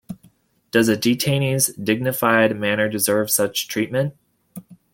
Does a detainee's dignified manner deserve such treatment?